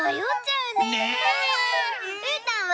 うーたんは？